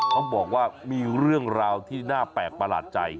เขาบอกว่ามีเรื่องราวที่น่าแปลกประหลาดใจ